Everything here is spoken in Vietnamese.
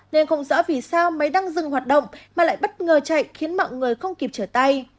nên không rõ vì sao máy đang dừng hoạt động mà lại bất ngờ chạy khiến mọi người không kịp trở tay